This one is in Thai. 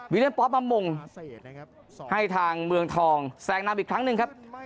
วิเล็นด์ปอล์ฟมามงให้ทางเมืองทองแสงนับอีกครั้งหนึ่งครับ